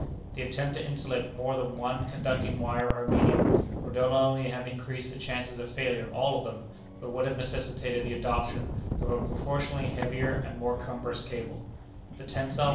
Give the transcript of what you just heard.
The attempt to insulate more than one conducting wire or medium would not only have increased the chances of failure of all of them, but would have necessitated the adoption of a proportionably heavier and more cumbrous cable.